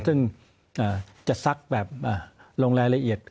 ซึ่งจะซักแบบโรงแรละเอียด